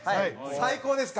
最高ですか？